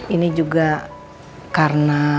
ini juga karena